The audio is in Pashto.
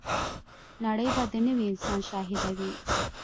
نړۍ به د نوي انسان شاهده وي.